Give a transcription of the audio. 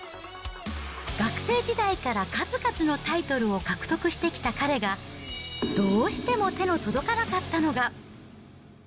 学生時代から数々のタイトルを獲得してきた彼が、どうしても手の届かなかったのが。